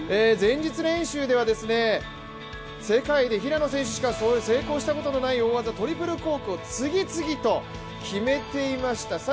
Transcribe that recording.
前日練習では世界で平野選手しか成功したことのない大技トリプルコークを次々と決めていました、